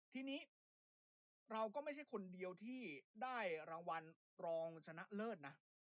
ทีนี้เราก็ไม่ใช่คนเดียวที่ได้รางวัลรองชนะเลิศนะ